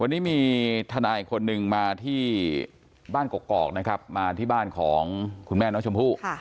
วันนี้มีทนายอีกคนนึงมาที่บ้านกกอกนะครับมาที่บ้านของคุณแม่น้องชมพู่